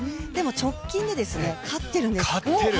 でも、直近で勝っているんです。